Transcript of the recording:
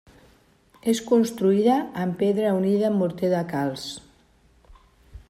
És construïda amb pedra unida amb morter de calç.